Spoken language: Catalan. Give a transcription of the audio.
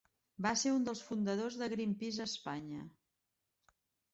Va ser un dels fundadors de Greenpeace Espanya.